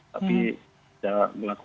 tapi sudah berlaku